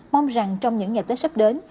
mong rằng trong những ngày tết sắp đến